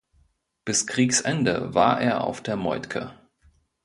Bis Kriegsende war er auf der "Moltke".